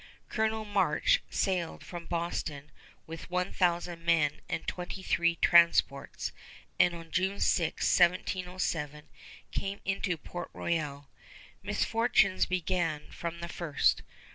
Colonel March sailed from Boston with one thousand men and twenty three transports, and on June 6, 1707, came into Port Royal. Misfortunes began from the first.